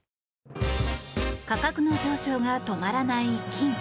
価格の上昇が止まらない金。